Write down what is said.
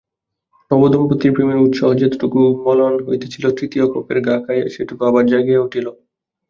নবদম্পতির প্রেমের উৎসাহ যেটুকু মলান হইতেছিল, তৃতীয়ক্ষপের ঘা খাইয়া সেটুকু আবার জাগিয়া উঠিল।